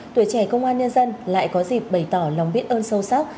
tuổi trẻ công an nhân dân lại có dịp bày tỏ lòng biết ơn sâu sắc